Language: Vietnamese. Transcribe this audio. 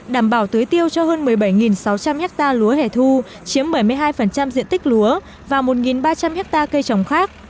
đảm bảo tưới tiêu cho hơn một mươi bảy sáu trăm linh ha lúa hẻ thu chiếm bảy mươi hai diện tích lúa và một ba trăm linh hectare cây trồng khác